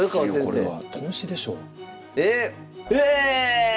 これは。